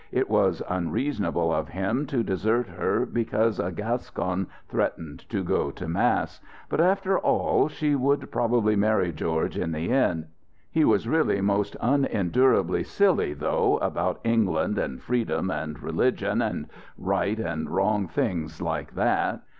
It was unreasonable of him to desert her because a Gascon threatened to go to mass; but, after all, she would probably marry George in the end. He was really almost unendurably silly, though, about England and freedom and religion, and right and wrong things like that.